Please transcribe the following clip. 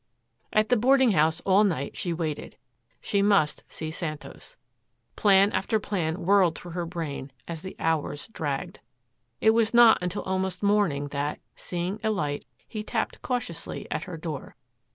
At the boarding house all night she waited. She must see Santos. Plan after plan whirled through her brain as the hours dragged. It was not until almost morning that, seeing a light, he tapped cautiously at her door.